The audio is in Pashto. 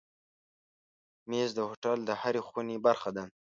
مېز د هوټل د هرې خونې برخه ده.